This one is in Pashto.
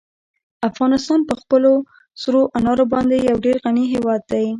افغانستان په خپلو سرو انارو باندې یو ډېر غني هېواد دی.